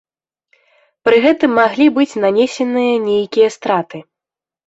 Пры гэтым маглі быць нанесеныя нейкія страты.